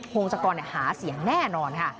พงศธรหาเสียแน่นอน